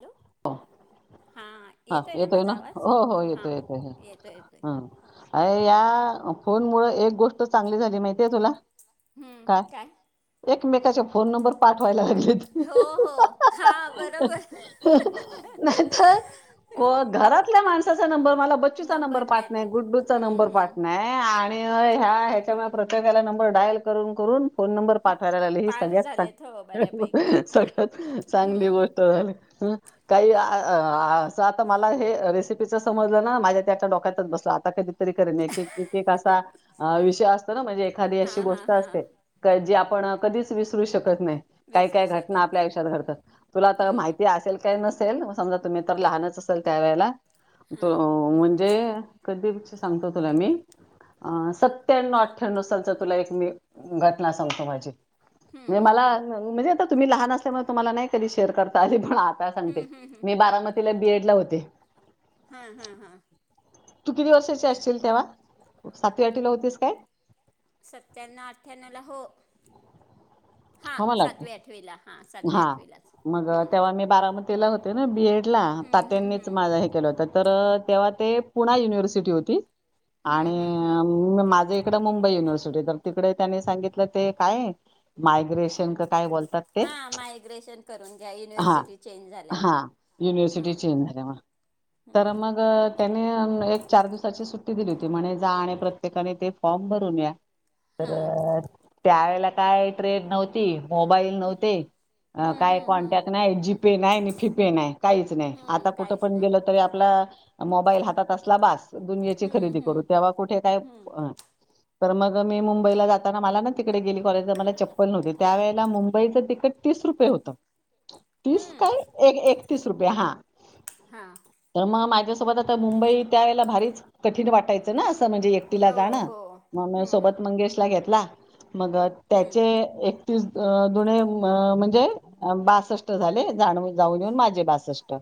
Hello ह... हां हा येतोय ना माझा आवाज हो हो हां येतोय येतोय येतोय येतोय हम अ या... हम्म फोन मुळ एक गोष्ट चांगली झाली माहितीय तुला... हम्म काय? एकमेकाच्या फोन नंबर पाठवायला लागलेत... हो हो हा बरोबर... नाही तर... को हम्म, घरातल्या माणसाचा नंबर मला बच्चूचा नंबर पाठ नाही माहिती गुड्डूचा हम्म नंबर पाठ हम्म नाही. आणि ह्या ह्याच्यामुळे प्रत्येकाला नंबर डायल करून करून.. फोन नंबर पाठवायला लागले ही पाठ सगळ्यात झालेत हो बऱ्यापैकी सगळ्यात चांगली हम्म गोष्ट झाली... हं. काही अस आता मला हे रेसिपीच समजलं ना माझ्या त्या डोक्यातच बसलं आता कधी... असा विषय असतो ना म्हणजे एखादी अ हां हां गोष्ट हां असते... पण कधीच विसरू शकत नाही काही विसरू काय घटना शकत आपल्या नाही आयु्यात घडतात तुला हम्म माहिती..... का नल समजा तुम्हाला असेल त्या हां व जय कधी पासून सांगतो तुला मी अं सत्याण्णव अठ्ठ्याण्णव सालचा तुला एक मी घटना सांगतो माझी... हम्म म्ह हम्म मला हम्म म्हणजे आता तुम्ही लहान असल्यामुळे तुम्हा नाही कधी शेअर करता आली... मला आता सांगते हम्म हम्म हम्म मी बारामतीला बीएड ला होते.. हा हा हा.. तू किती वर्षाची असशील तेव्हा सातवी आठवीला होतीस काय? सत्याण्व अठ्ठयाण्णवला हो.. हा हो मला वाटतं सातवी आठवीला हा सातवी आठवीला हम्म.. तेला होते ना बीएड ला हम्म हम्म तात्यांनीच हम्म. माझा हे केलं होत.. तर तेव्हा ते पुणा युनिव्हर्सिटी होती हम्म हम्म हम्म आणि माझ एक... त मुंबई युनिव्हर्सिटी तर तिकडे त्यांनी सांगितलं ते काय मायग्रेशन काय ब... हा मायग्रेशन करून घ्या हा युनिव्हर्सिटी चेंज हा झाल्यामुळे. युनिव्हर्सिटी हम्म चेंज झाल्यामुळ... तर हम्म मग... त्यानी एक चार दिवसाची सुट्टी दिली होती म्हने जा आणि प्रत्येकाने ते फॉर्म भरून या... हा तर त्यावेेळेला काय ट्रेड नव्हती मोबाईल नव्हते... हम्म काय हम्म हम्म कॉन्टॅक्ट नाही जी पे नाय आणि फी पे नाय काहीच नाय... अ हम्म काहीच नाही. मोबाईल हातात बस दुनयेची हम्म खरेदी करू हम्म तेव्हा कुठे काय हम्म अ... तर मग मी मुंबईला जाताना मला ना तिकडे गेली कॉलेजला मला चप्पल नव्हते.. त्या वेळेला मुंबईच तिकीट तीस रुपये होत तीस हम्म काय एक एक... तीस रुपे हा हा तर मा... तुझ्यासोबतस आता मुंबई त्या याळेला भारीच कठीण वाटायचं ना... त म्हणजे एकटीला हो जाणा हो मग हम्म सोबत मंगेश ला घेतला... मग हम्म त्याचे एक... एकतीस अ दूने म म्हणजे बासष्ट झाले जाण जाऊन येऊन माझे बासष्ट...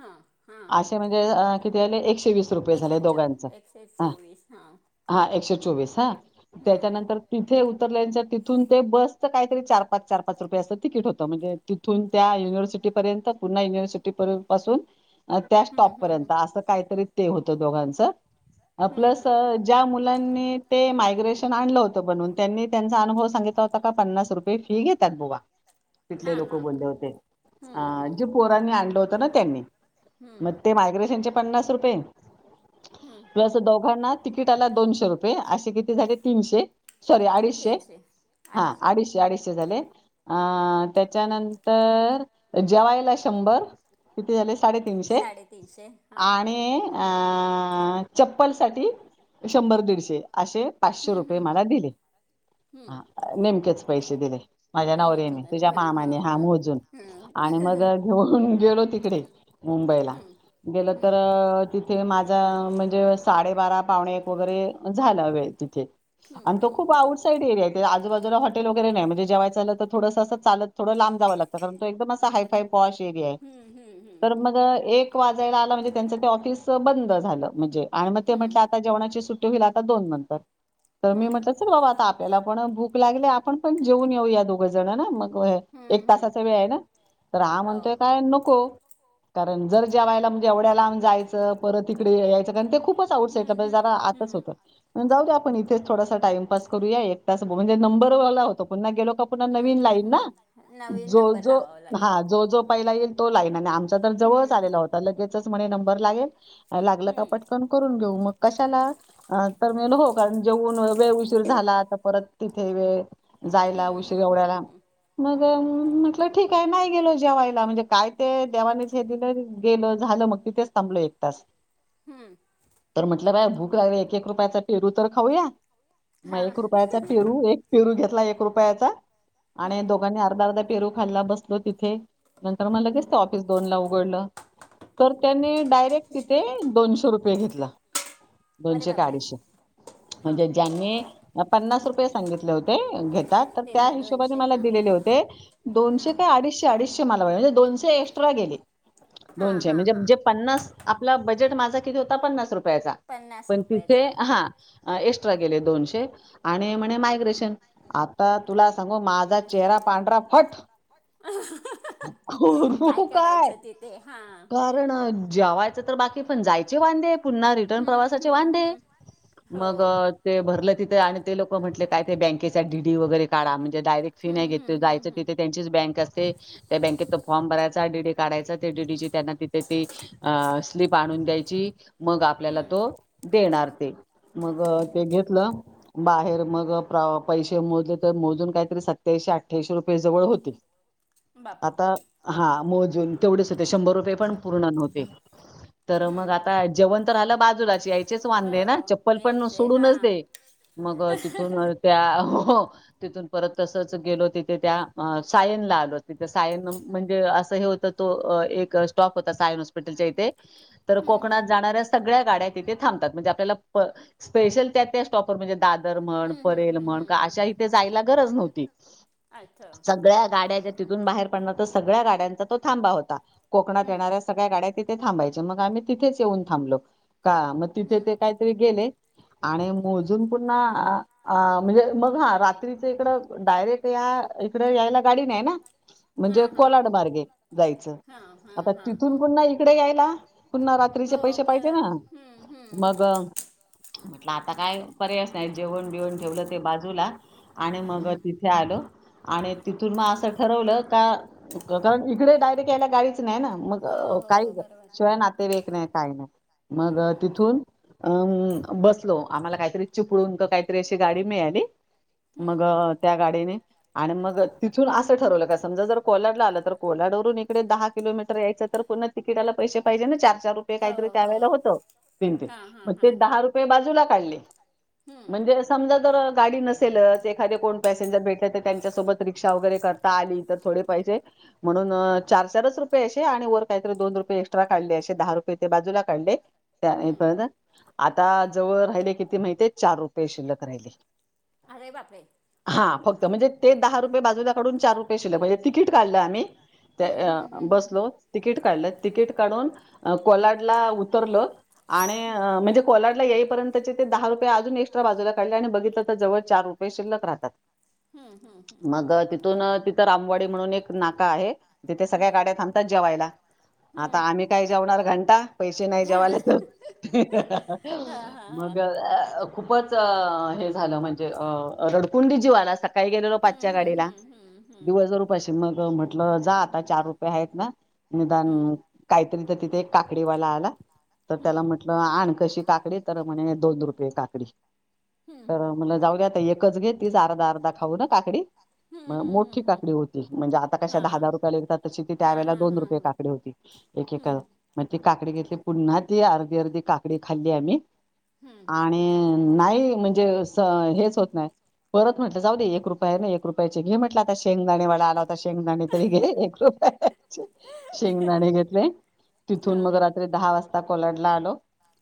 हा हा. अस म्हणजे एकशे... तेवीस रूपय एकशे झाले चो दोेघाच एकशे हा चोवीस हा एकशे चोवीस अ... हम्म त्याच्यानंतर तिथे उतरल्या तिथून ते बस... काहीतरी चार पाच चार पाच रुपय असं तिकट होत म्हणजे तिथून त्या युनिवर्सिटीपर्यंत पुन्हा युनिव्हर्सिटीत पूर्वीपासुन त्या हम्म स्टॉप हम्म पर्यंत असं काहीतरी ते होत दोघांच हम्म हम्म प्लस हम्म. हम्म. ज्या मुलानी ते माग्रेशन आणल होत बनवून त्यांनी त्यांचा अनुभव सांगितला होता. का पन्नास रुपये फी घेतात बुवा हा तिथले लोक हा हा बोलले होते हम्म अ हम्म जे पोरांनी आणलं होत ना त्यांनी हम्म मगं ते मायग्रेशनचे पन्नास रुपये तु हम्म असं दोघांना तिकीट ला दोनशे रुपये असे किती झाले तीनशे सॉरी अडीचशे तीनशे हा अडीचशे अडीचशे अ झाले अ त्याच्यानंतर जेवायला शंभर किती झाले साडेतीनशे साडेतीनशे हा आणि अ चप्पल साठी शंभर दीडशे असे पाचशे हम्म रुपये हम्म मला दिले हम्म हा. हम्म पैसे दिले माझ्या नवर्याने मोजतात तुझ्या हां हां मामाने हा हां मोजून आणि मग हां घेऊन गेलो तिकडे मुंबईला हम्म गेलं तर तिथे माझ म्हणजे साडेबारा पावणे एक वगैरे झाला वेळ तिथे. हम्म आणि हम्म हम्म तो खूप आउटसाइड एरिया त्याच्या आजूबाजूला हॉटेल वगैरे नाय म्हणजे जेवायच झालं तर थोडंस असं चालत. थोड लाब जावं लागंत कारण तो एकदम असा हायफाय पॉश एरिया आहे हम्म हम्म हम्म तर मग एक वाजायला आला म्हणजे त्यांच ते ऑफिस बंद झालं म्हणजे आणि मग ते म्हटलं आता जेवणाची सुट्टी होईल. आता दोन नंतर तर हम्म हम्म मी म्हटलं चल बाबा आता आपल्याला आपण भूक लागले. आपण पण जेऊन येऊया दोघ जण ना मग होय एक हम्म हम्म हम्म तासाचा वेळ आहे. ना तर हा हो म्हणतोय काय नको कारण जर जेवायला म्हणजे एवढ्या लाब जायचं परत इकडे यायचं कारण ते खूप खूप आऊटसाईडला हम्म पण जरा हम्म आतच होत हम्म जाऊ आपण इथेच थोडासा टाइमपास करूया. म्हणजे नंबर ला होतो पुन्हा गेलो. तर पुन्हा हम्म नविन हम्म लाईन ना हम्म नवीन जो नंबर जो लावावा लागेल हा जो जो पहिला येईल तो लाईन ना आमची जवळच हम्म आलेला होता. लगेचच म्हणे नंबर लागेल लागलं का हम्म पटकन करून घेऊ मग, कशाला हा तर हा मी म्हणालो हो कारण जेऊन वेळ उशीर झाला तर परत तिथे वेळ जायला उशीर हम्म एवढ्या हम्म लांब हम्म मग म्हटलं ठीक आहे. नाही गेलो जेवायला म्हणजे काय ते देवानेच हे दिलं गेलं झालं मग तिथेच थांबलो एक तास हम्म बर भूक लागली एक एक रुपयाचा पेरू तर खाऊया. मग हा एक रुपयाचा पेरू एक पेरू घेतला एक रुपयाचा आणि दोघांनी अर्धा अर्धा पेरू खाल्ला बसलोय तेथे, एक नंतर मग लगेच ते ऑफिस दोन ला उघडलं तर त्याने डायरेक्ट तिथे दोनशे रुपये घेतला अरे दोनशे काय बापरे अडीशे हां म्हणजे ज्यांनी पन्नास रुपये सांगितले होते घेतात तर ते त्या हिशोबाने दोनशे मला हां दिलेले होते हां दोनशे का अडीचशे अडीचशे मला दोनशे एक्स्ट्रा गेले हां दोनशे हां म्हणजे हां जे पन्नास आपल बजेट माझा किती होता पन्नास रुपयाचा पन्नास पण तिथे रुपयाचा हा एक्स्ट्रा गेले दोनशे आणि म्हणे मायग्रेशन आता तुला सांगू माझा चेहरा पांढरा फट हो काय करायचं तिथे हां कारण जेवाय तर बाकी पण जायचे वांदे पुन्हा रिटन हम्म प्रवासाचे हम्म वांदे हम्म मग ते भरलाय आणि ते लोक म्हटले काय ते बँकेच्या डी डी वगैरे काढा. डायरेक्ट फी नाही हम्म घेते हम्म जायचं हम्म हम्म. तेथे त्यांचीच बँक असते. ते त्या बँकेत फॉर्म भरायचा डीडी काढायचा ते डीडी त्यांना तिथे ती अ स्लीप आणून द्यायची मग आपल्याला मागून तो देणार ते मग ते घेतलं. बाहेर मग पैसे मोजले तर मोजून काहीतरी सत्याशी अठ्ठ्याशी रुपये जवळ होते. बापरे बापो बापरे आता हा मोजून तेवढेच होते, शंभर रुपये पण पूर्ण नव्हते. तर हम्म. मग आता जेवण तर झालं बाजूलाची आय यायचे वांधे ना चप्पल हो पण यायचे सोडूनच हां. दे मग तिथून त्या तिथून परत तसच गेलो तिथे त्या सायनला आलो तिथे सायन म्हणजे अस. तो एक स्टॉफ होता सायन हॉस्पिटलच्या इथे तर हम्म कोकणात हम्म हम्म. जाणाऱ्या सगळ्या गाड्या तिथे थांबतात. म्हणजे आपल्याला स्पेशल त्या त्या प म्हणजे दादर म्हण हम्म हम्म परेल हम्म म्हण हम्म हम्म अशा हम्म. इथे जायला गरज नव्हती. नव्हती. अच्छा सगळ्या गाड्या ज्यया तिथून बाहेर पडणार तर सगळ्या गाड्या थांबत होता कोकणात हम्म. येणाऱ्या सळ्या गाड्या ते थांबायच मग आम्ही तिथेच येऊन थांबलो का मग तिथे हम्म. ते काहीतरी गेले, आणि म अ पुन्हा म्हणजे मग हा रात्रीच इकड डायरेकट या इकडं गाडी डी ना हा म्हणजे हा कोलाड मार्गे जायचं हा हा आता हा हा तिथून हा. पुन्हा इकडे यायला. पुन्हा यायला रात्रीचे हो पैसे पाहिजे ना परत हम्म हम्म मग हम्म म्हटलं आता काय पर्यास नाही जेवण बिऊन ठेवलं ते बाजूला आणि मग हम्म तिथे आल आणि तिथून मग असं ठरवलं का कारण इकडे डायरेक्ट यायला गाडी नाही ना मग हो काही हो बरोबर शिवाय नातेवाईक नाही काही नाही मग हम्म तिथून अ बसलो आम्हाला काहीतरी चिपळून काहीतरी अशी गाडी मिळाली. हम्म. मग त्या गाडीने आणि मग तिथून असं ठरवलं का समजा जर कोलाडला आलं तर कोलाडवरून इकडे दहा किलोमीटर यायचं तर को तिकीटला पैसे पाहिजे ना चार हजार रुपये काहीतरी त्या हो हो ववेळेला होत तीन तन हां हां मग हां ते हां दहा रुपये बाजूला काढले. हम्म म्हणजे सम ज गाडी नसेलच एखादे कोण पॅसेंजर भेटत ते त्यांच्यासोबत रिक्षा वगैरे करता आली तर थोडे म्हणून चार चारच रुपय असे आणि वर काहीत दोन रुपये एक्स्ट्रा काढलेे दहा रुपयेजू ला काढल त्या हम्म पण आता जवळ राहिले किती माहिती चार रुपये शिल्लक राहिली. अरे बापरे. ह फक्तणे ते दहा रुये बाजूलाकडून चार रुपये शिले म्हणजे तिकीट काढलं आम्ही हम्म त्या हम्म हम्म बसलो तिकीट काढलं तिकीट काढून कोलाडला उतरलं. आणि म्हणजे कोलाडला येईपर्यंतचे ते दहा रुप अजून एक्ट्रा बाजूला काढले आणि बघित तरव चार रुपये शिल्क रातात हम्म हम्म मग तिथून तिथं रामवाडी म्हणून एक नाका आहे. तिथे सगळ्या गाड्या थांबतात जेवायला. हम्म आता हम्म आम्ही काय जेवणार घंटा पैसे नाही जेवाला त हम्म हम्म हां हां हां मग खूपच हे झालं म्हणजे अ रडकुंडी जी आला. काही गेलेल हम्म हम्म पाचच्या हम्म हम्म हम्म हम्म गाडीला हम्म दिवस भर उपशी मग म्हटलं जा आता चार रुपये आहेत ना. निदान काहीतरी तर तिथे एक काकडीवाला आला तर त्याला म्हटलं आण काकडी तर म्हणे दोन रुपये काकडी तर म्हल जाऊ्या एक एकच घेतच अर्धा अर्धा खाऊ ना काकडी. हम्म मग हम्म मोठी हम्म काकडी होती म्हणजे आता कशा हां दहा दहा रुपये लेगतात तशी ती हां त्यावेेळेला हां दोन रुपये हां काकडी होती. एके का हम्म मग ती काकडी घेतली पुन्हा ती अर्धी अर्धी काकडी खाल्ली आम्ही हम्म. अ नाही म्हणजे हेच होत नाही. परत म्हटलं जाऊ दे एक रुपया ना एक रुपयाचे घे म्हटलं आता शेंगदाणेवाला आला होता. शेंगदाणे तरी घे शेंगदाणे घेतले. तिथून हां मग रात्री दहा वाजता कोलडला आलो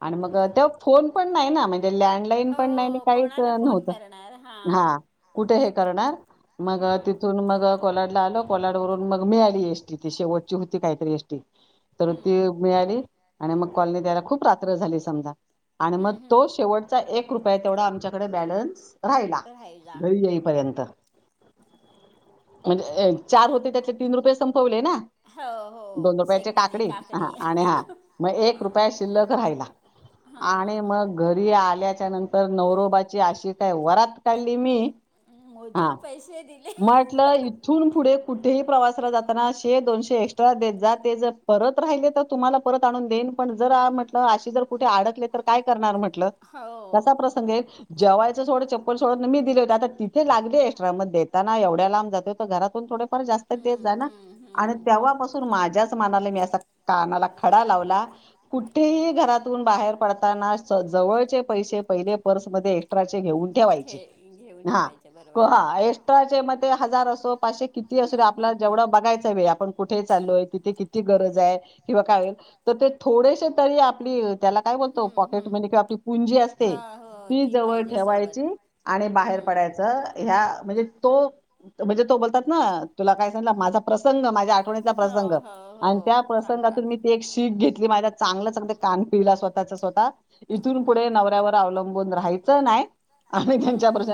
आणि मग हम्म ते्व्हा फोन पण नाही ना म्हणजे, लँडलाईन हो पण नाही काहीच कोणाला फोन नव्हतं, करणार हां हा कुठे हे करणार मग हां तिथून मग कोलाडला आलो. कोललाड वून मग मिळाली एसटी ती शेवटची होती, काहीतरी एसटी तर ती हम्म मिळाली आणि मग कॉलनी द्यायला खूप रात्र झाली समजा आणि मग हम्म हम्म तोच, एक रुपया तेवढा आमच्याकडे बॅलन्स होता. राहिला राहायला. घरी येईपर्यंत म्हणजे, चार होते त्यातले तीन रुपये संपवले ना! हो हो दोन रुपयाची शेंगदाणे काकडी हा आणि हा मग एक रुपया शिल्लक राहिला. हा हा आणि हा. मग घरी आल्याच्या नंतर नवरोबाची अशी काय वरात काढली मी, हा मोजून पैसे दिले. म्हटलं इथून पुढे कुठे प्रवाला जाताना शे दोनशे एट्रा देत जा ते जर परत राहिले तर तुम्हाला परत आणून देइन, पण जर म्हटलं अशी जर कुठे अडकले तर काय करणार म्हट ल हो. कसा प्रसंग जेवायच सोडं चप्ल सोड मी दिले होते आता तिथे लागले एक्ट्रा मढ़े देताना एवढ्या लांब जात हो घरात थोडेफार जास्त देत जा ना आणि हम्म हम्म. तेव्हापसून माझ्याच मनाला मी अस काना खडा लावला कुठेही घरातून बाहेर पडताना, जवळचे पैसे पहिले पर्स मधे एक्स्ट्राचे घेऊन ठेवायचे. घेऊण ठयच. ह एक्स्ट्राचे मध्ये हजार असो पाचशे किती असो आपला जेवढं बघायच वेळ आपण कुठे चाललो. तिथे किती गरज आहे. य ते थोडे से तरी आपली त्याला काय बोलतो काय हम्म काय त हम्म. मंने आपली पुंजी हा असते. हो ती जवळ पाहिजे सोबत ठेवायची आणि बाहेर हम्म. पडायचं ह्या म्हणजे, तो म्हणजे तो बोलतात ना तुला काय सांग माझा प्रसंग माझ्या, कोणता हो प्रंग हो हो आणि त्या चांगला. प्रसंगातून मी ते एक शीख घेत घेतली माझ्या चांगलं चांग कान पिला स्वतःचा स्वतः इथून पुढे हम्म नवऱ्यावर अवलं अवलबुन रायच नाही आणि त्यांच्या हम्म प्रश्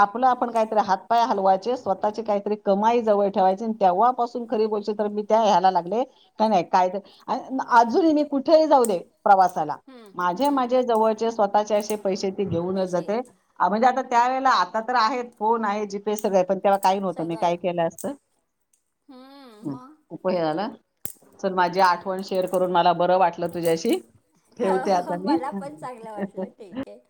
आपलं आपण काहीतरी हात पाय हलवाच. जे स्वतः ची कही तरी कमाई जवळ ठेवायची ठेवा पासून खरी बोल मी त्या यायला लागले. काय तर अजूनही मी कुठेही जाऊ दे! प्रवासाला हम्म माझे हम्म माझे जवळचे स्वतःचे असे पैसे ते घेऊनच पैसे जाते आता. त्यावेेला आता तर आहेत फोन आहे जीपे सगळं पण तेव्हा काही नव्हतं मी सगळं काय केलं असतं. हम्म हम् मग उपयोग झाला. च माझी आठवण शेअर करून मला बरं वाटलं तुझ्याशी ठेव हो त्या हो आता मी. मला पण चांगलं वाटलं ठीक आहे.